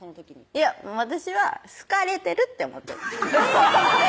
いや私は好かれてるって思ってるえぇ！